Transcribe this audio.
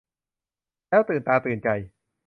แล้วตื่นตาตื่นใจ